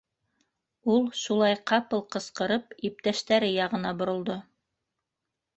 — Ул шулай ҡапыл ҡысҡырып иптәштәре яғына боролдо.